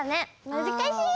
むずかしい！